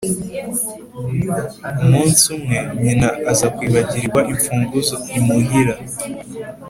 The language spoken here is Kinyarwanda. umunsi umwe, nyina aza kwibagirirwa imfunguzo imuhira.